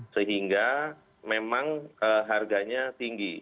sehingga memang harganya tinggi